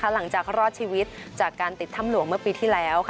หลังจากรอดชีวิตจากการติดถ้ำหลวงเมื่อปีที่แล้ว